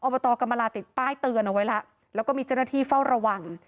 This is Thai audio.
บตกรรมลาติดป้ายเตือนเอาไว้แล้วแล้วก็มีเจ้าหน้าที่เฝ้าระวัง